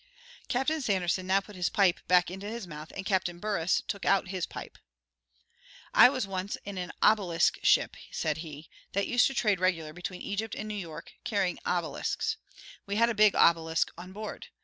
Captain Sanderson now put his pipe back into his mouth, and Captain Burress took out his pipe. "I was once in an obelisk ship," said he, "that used to trade regular between Egypt and New York, carrying obelisks. We had a big obelisk on board.